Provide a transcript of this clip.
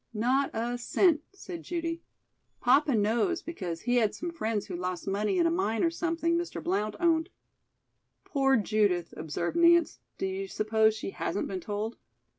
"Not a cent," said Judy. "Papa knows because he had some friends who lost money in a mine or something Mr. Blount owned." "Poor Judith," observed Nance. "Do you suppose she hasn't been told?"